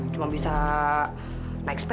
cuma bisa naik sepeda